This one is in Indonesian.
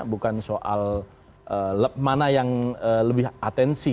bukan soal mana yang lebih atensi